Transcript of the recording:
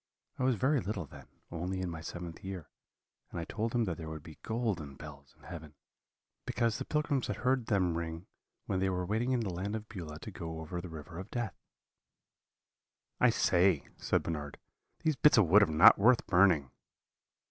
I was very little then, only in my seventh year, and I told him that there would be golden bells in heaven, because the pilgrims had heard them ring when they were waiting in the Land of Beulah to go over the River of Death.' "'I say,' said Bernard, 'these bits of wood are not worth burning.'